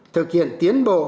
thực hiện tiến bộ và phát triển